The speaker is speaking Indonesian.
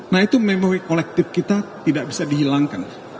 nah itu memori kolektif kita tidak bisa dihilangkan